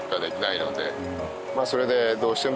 それでどうしても。